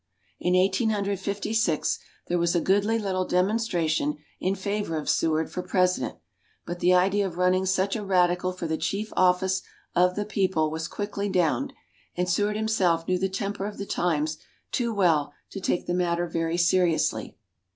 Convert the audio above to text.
In Eighteen Hundred Fifty six, there was a goodly little demonstration in favor of Seward for President, but the idea of running such a radical for the chief office of the people was quickly downed; and Seward himself knew the temper of the times too well to take the matter very seriously.